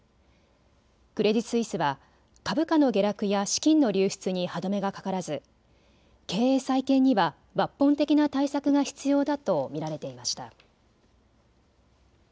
クレディ・スイスは株価の下落や資金の流出に歯止めがかからず経営再建には抜本的な対策が必要だと見られていました。